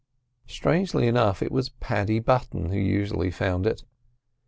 Strangely enough it was Paddy Button who usually found it.